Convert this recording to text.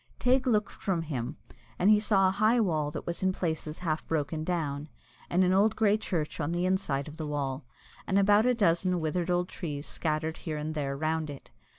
Teig looked from him, and he saw a high wall that was in places half broken down, and an old grey church on the inside of the wall, and about a dozen withered old trees scattered here and there round it.